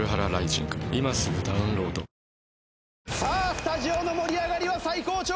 スタジオの盛り上がりは最高潮！